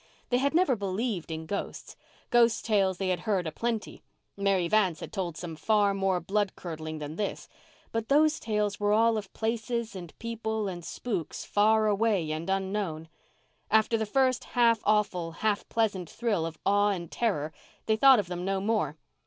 They had never believed in ghosts. Ghost tales they had heard a plenty—Mary Vance had told some far more blood curdling than this; but those tales were all of places and people and spooks far away and unknown. After the first half awful, half pleasant thrill of awe and terror they thought of them no more.